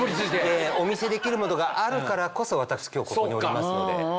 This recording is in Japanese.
お見せできるものがあるからこそ私今日ここにおりますので。